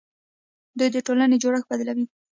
دوی د ټولنې جوړښت بدلوي.